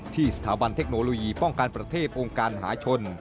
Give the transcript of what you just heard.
ที่สถาบันเทคโนโลยีป้องกันประเทศองค์การหาชน